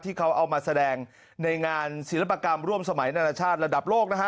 ที่เขาเอามาแสดงในงานศิลปกรรมร่วมสมัยนานาชาติระดับโลกนะฮะ